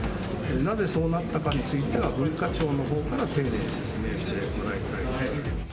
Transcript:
なぜそうなったかについては、文化庁のほうから、丁寧に説明してもらいたい。